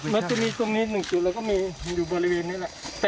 มันจะมีตรงนี้หนึ่งจุดแล้วก็มีอยู่บริเวณนี้แหละ